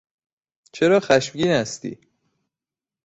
چرا خشمگین هستی؟